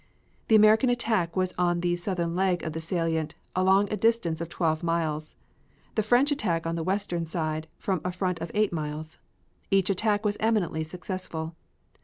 The American attack was on the southern leg of the salient along a distance of twelve miles. The French attacked on the western side from a front of eight miles. Each attack was eminently successful.